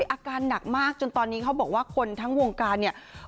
อาการหนักมากจนตอนนี้เขาบอกว่าคนทั้งวงการเนี่ย